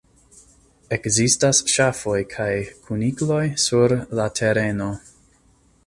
Ekzistas ŝafoj kaj kunikloj sur la tereno.